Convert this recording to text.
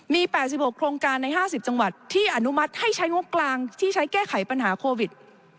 มี๘๖โครงการใน๕๐จังหวัดที่อนุมัติให้ใช้งบกลางที่ใช้แก้ไขปัญหาโควิด